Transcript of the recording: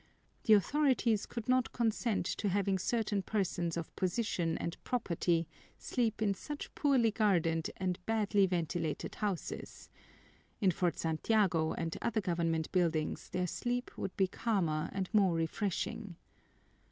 The authorities could not consent to having certain persons of position and property sleep in such poorly guarded and badly ventilated houses in Fort Santiago and other government buildings their sleep would be calmer and more refreshing.